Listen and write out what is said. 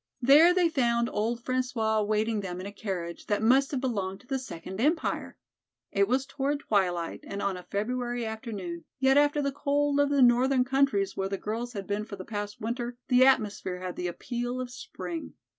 There they found old François awaiting them in a carriage that must have belonged to the Second Empire. It was toward twilight and on a February afternoon, yet after the cold of the northern countries where the girls had been for the past winter, the atmosphere had the appeal of spring.